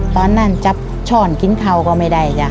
ตอนนั้นจับช่อนกินเขาก็ไม่ได้จ้ะ